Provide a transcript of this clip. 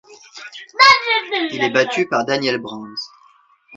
Il est battu par Daniel Brands.